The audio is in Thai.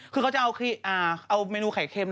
คือเขาจะเอาเมนูไข่เค็ม